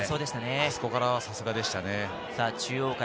あそこからは、さすがでしたね。